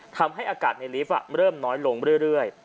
ทำให้อากาศในลิฟต์เริ่มน้อยลงเรื่อย